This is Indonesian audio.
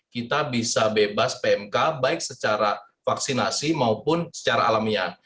kita bisa bebas pmk baik secara vaksinasi maupun secara alamiah